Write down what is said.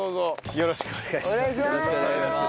よろしくお願いします。